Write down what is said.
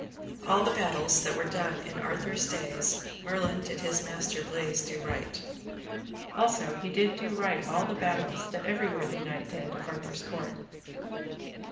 All the battles that were done in Arthur's days Merlin did his master Bleise do write; also he did do write all the battles that every worthy knight did of Arthur's court.